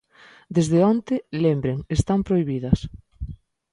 Desde onte, lembren, están prohibidas.